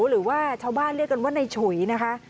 หรือว่าชาวบ้านเรียกกันว่าในฉุยนะคะ